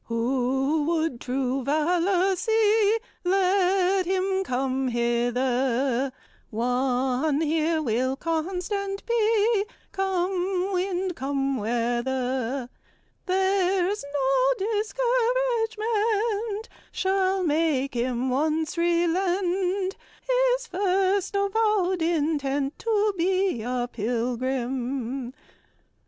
"Who would true valor see, Let him come hither; One here will constant be, Come wind, come weather; There's no discouragement Shall make him once relent His first avowed intent To be a pilgrim.